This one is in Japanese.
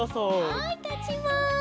はいたちます。